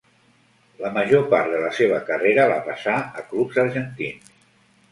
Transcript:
La major part de la seva carrera la passà a clubs argentins.